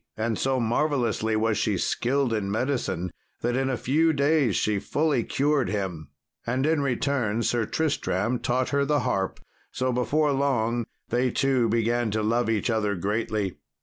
And so marvellously was she skilled in medicine, that in a few days she fully cured him; and in return Sir Tristram taught her the harp; so, before long, they two began to love each other greatly.